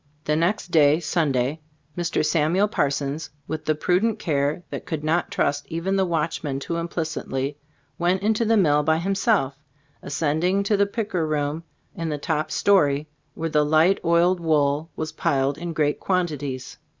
The next day (Sunday), Mr. Samuel Parsons, with the prudent care that could not trust even the watchman too implicitly, went into the mill by himself, ascending to the picker room in the top story, where the light, oiled wool was piled in great quantities.